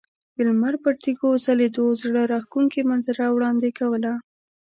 د لمر پر تیږو ځلیدو زړه راښکونکې منظره وړاندې کوله.